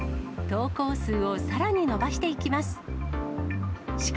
投稿数をさらに伸ばしていきます。